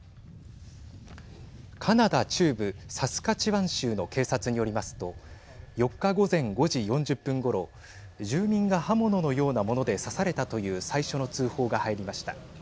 カナダ中部サスカチワン州の警察によりますと４日、午前５時４０分ごろ住民が刃物のようなもので刺されたという最初の通報が入りました。